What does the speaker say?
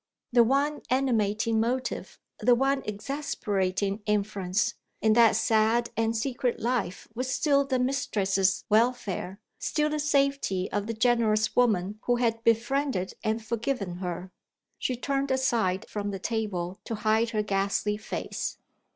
The one animating motive, the one exasperating influence, in that sad and secret life was still the mistress's welfare still the safety of the generous woman who had befriended and forgiven her. She turned aside from the table, to hide her ghastly face.